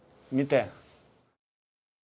見て。